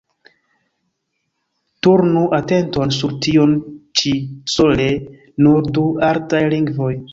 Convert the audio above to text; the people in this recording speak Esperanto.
Turnu atenton sur tion ĉi: sole nur du artaj lingvoj.